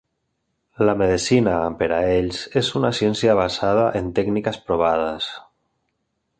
La medicina per a ells és una ciència basada en tècniques provades.